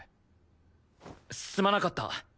すまなかった。